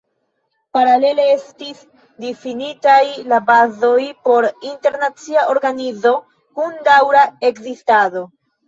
Paralele estis difinitaj la bazoj por internacia organizo, kun daŭra ekzistado.